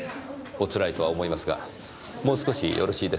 おつらいとは思いますがもう少しよろしいですか？